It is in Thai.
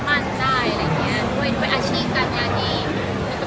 ช่องความหล่อของพี่ต้องการอันนี้นะครับ